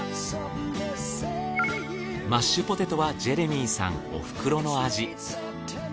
マッシュポテトはジェレミーさんおふくろの味。